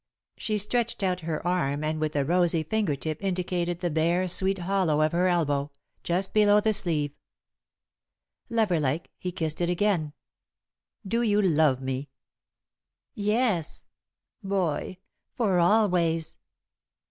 She stretched out her arm and with a rosy finger tip indicated the bare, sweet hollow of her elbow, just below the sleeve. Lover like, he kissed it again. "Do you love me?" "Yes, Boy for always."